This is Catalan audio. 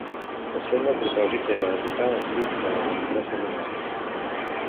El seu nou propòsit era educar als fills de l'aristocràcia moderna.